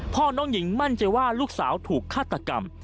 พ่อน้องหญิงมั่นใจว่าลูกสาวถูกฆาตกรรม